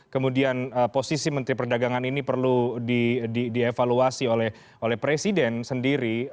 kemudian posisi menteri perdagangan ini perlu dievaluasi oleh presiden sendiri